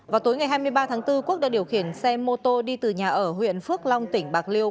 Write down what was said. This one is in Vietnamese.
vào tối ngày hai mươi ba tháng bốn quốc đã điều khiển xe mô tô đi từ nhà ở huyện phước long tỉnh bạc liêu